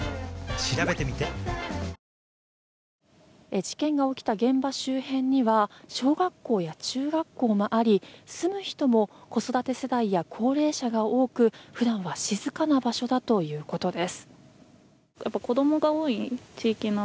事件が起きた現場周辺には小学校や中学校もあり住む人も子育て世代や高齢者が多く普段は静かな場所だということです。